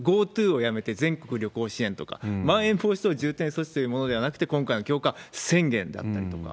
ＧｏＴｏをやめて全国旅行支援とか、まん延防止等重点措置というものではなくて、今回の強化宣言だったりとか。